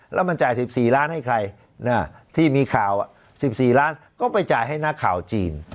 แล้วมันจ่าย๑๔ล้านให้ใครที่มีข่าว๑๔ล้านก็ไปจ่ายให้นักข่าวจีน